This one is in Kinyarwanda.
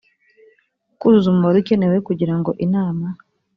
kuzuza umubare ukenewe kugira ngo inama